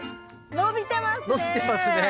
伸びてますね。